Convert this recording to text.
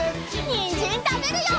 にんじんたべるよ！